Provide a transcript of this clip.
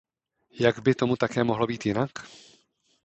Jak by tomu také mohlo být jinak?